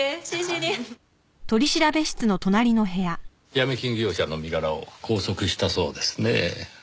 ヤミ金業者の身柄を拘束したそうですねぇ。